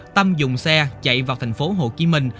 tâm dùng xe chạy vào thành phố hồ chí minh